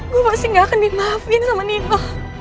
gue pasti gak akan dimaafin sama nino